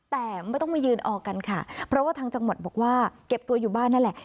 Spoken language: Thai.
แต่ไม่ต้องมายืนออกกันค่ะเพราะว่าทางจังหวัดบอกว่าเก็บตัวอยู่บ้านนั่นแหละ